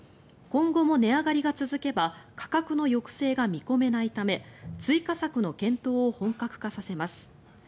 今後も値上がりが続けば価格の抑制が見込めないため追加策の検討を本格化させます。